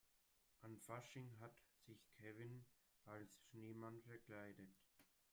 An Fasching hat sich Kevin als Schneemann verkleidet.